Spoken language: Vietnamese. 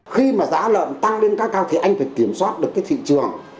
khi mà giá lợn tăng lên khá cao thì anh phải kiểm soát được cái thị trường